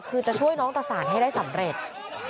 คือจะช่วยน้องตะสานให้ได้สำเร็จ